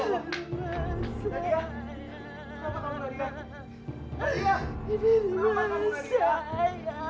kenapa kamu ngejebak bukitnya